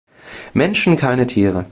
Menschen, keine Tiere.